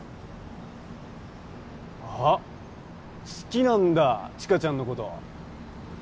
あ好きなんだ千夏ちゃんのこと。